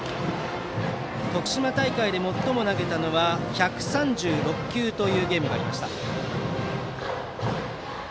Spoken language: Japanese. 徳島大会で最も投げたのは１３６球というゲームがありました。